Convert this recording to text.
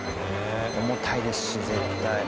重たいですし絶対。